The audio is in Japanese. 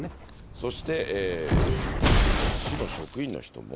そして、市の職員の人も。